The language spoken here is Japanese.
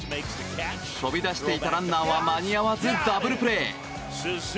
飛び出していたランナーは間に合わず、ダブルプレー。